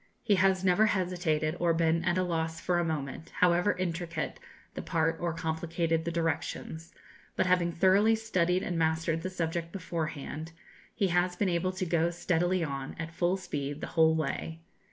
He has never hesitated or been at a loss for a moment, however intricate the part or complicated the directions; but having thoroughly studied and mastered the subject beforehand, he has been able to go steadily on at full speed the whole way.